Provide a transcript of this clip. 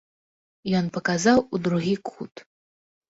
Ён паказаў у другі кут.